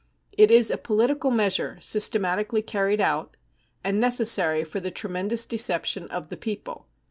It is a political measure systematically carried out, and necessary for the tremendous deception of the people.